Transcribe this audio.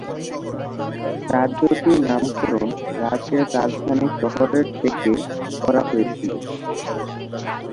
রাজ্যটির নামকরণ রাজ্যের রাজধানী শহরের থেকে করা হয়েছিল।